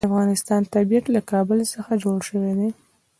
د افغانستان طبیعت له کابل څخه جوړ شوی دی.